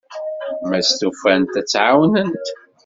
Ma stufant, ad t-ɛawnent.